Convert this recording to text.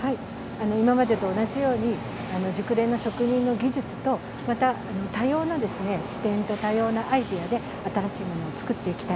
今までと同じように熟練の職人の技術とまた多様な視点と多様なアイデアで新しいものを作っていきたい